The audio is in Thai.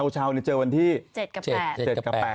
เฉาเจอวันที่๗กับ๘